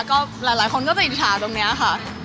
ก็หลายคนก็จะอินถาตรงเนี้ยค่ะ